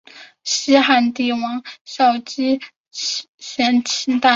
西汉帝王郊祀之礼沿袭秦代。